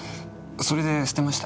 それで捨てました。